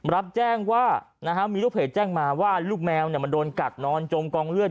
รับแจ้งว่ามีลูกเพจแจ้งมาว่าลูกแมวมันโดนกัดนอนจมกองเลือด